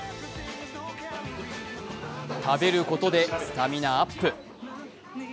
食べることでスタミナアップ。